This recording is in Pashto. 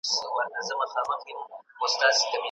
د بریتانیا شکر ټولنه څېړنه تمویلوي.